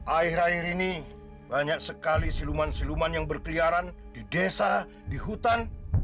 akhir akhir ini banyak sekali siluman siluman yang berkeliaran di desa di hutan